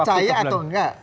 percaya atau enggak